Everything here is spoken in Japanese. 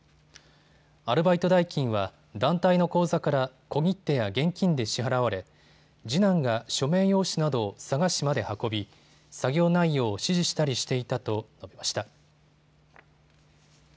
アルバイト代金は団体の口座から小切手や現金で支払われ次男が署名用紙などを佐賀市まで運び、作業内容を指示したりしていたと述べました。